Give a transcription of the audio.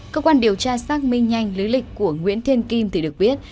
cơ quan điều tra xác minh nhanh lý lịch của nguyễn thiên kim thì được biết